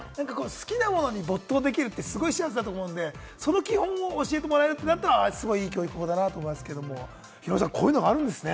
好きなものに没頭できるって幸せだと思うので、その基本を教えてもらえるとなったらすごい、いい教育法だなと思いますけれども、ヒロミさん、こういうのがあるんですね。